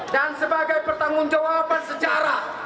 dan sebagai pertanggung jawaban secara